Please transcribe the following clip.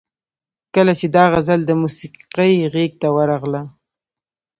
کله چې دا غزل د موسیقۍ غیږ ته ورغله.